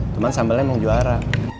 cuman sambalnya emang juara